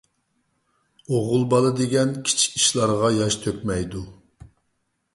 ئوغۇل بالا دېگەن كىچىك ئىشلارغا ياش تۆكمەيدۇ.